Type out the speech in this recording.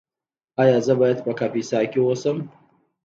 ایا زه باید په کاپیسا کې اوسم؟